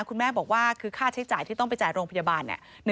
คุณแม่บอกว่าคือค่าใช้จ่ายที่ต้องไปจ่ายโรงพยาบาลเนี่ย